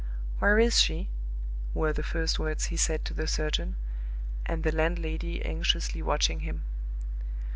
"Where is she?" were the first words he said to the surgeon, and the landlady anxiously watching him.